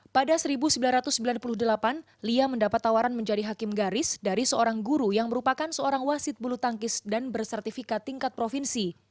pada seribu sembilan ratus sembilan puluh delapan lia mendapat tawaran menjadi hakim garis dari seorang guru yang merupakan seorang wasit bulu tangkis dan bersertifikat tingkat provinsi